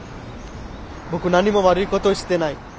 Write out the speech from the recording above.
僕何も悪いことしてない。